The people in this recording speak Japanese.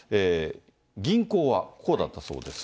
銀行はこうだったそうです。